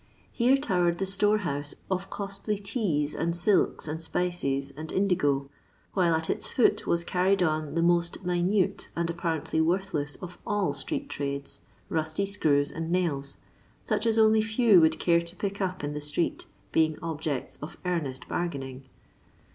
Here towered the store house of costly teas, and silks, and spices, and indigo ; I while at its foot was carried on the most minute, I and apparently worthless of all street trades, rusty I screws and nails, such as only few would care to pick up in the street, being objects of earnest bargaining